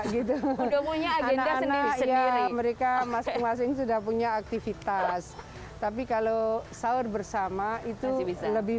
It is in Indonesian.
sendiri sendiri mereka masing masing sudah punya aktivitas tapi kalau sahur bersama itu bisa lebih